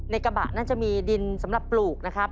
กระบะนั้นจะมีดินสำหรับปลูกนะครับ